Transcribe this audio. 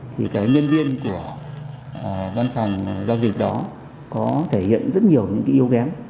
thì cái nhân viên của văn phòng giao dịch đó có thể hiện rất nhiều yếu kém